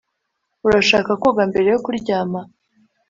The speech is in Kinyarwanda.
Urashaka koga mbere yo kuryama